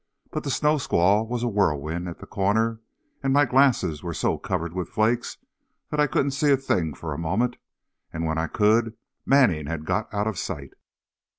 But the snow squall was a whirlwind at the corner, and my glasses were so covered with flakes that I couldn't see a thing for a moment, and when I could, Manning had got out of sight.